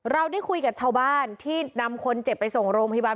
เราได้คุยกับชาวบ้านที่นำคนเจ็บไปส่งโรงพยาบาล